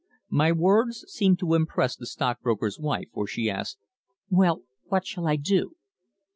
My words seemed to impress the stockbroker's wife, for she asked: "Well what shall I do?"